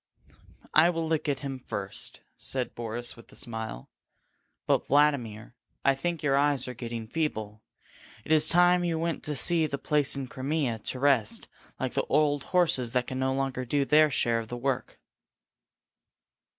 "I will look at him first," said Boris, with a smile. "But, Vladimir, I think your eyes are getting feeble. It is time you were sent to the place in the Crimea to rest, like the old horses that can no longer do their share of the work."